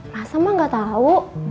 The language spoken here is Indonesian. masa mah gak tau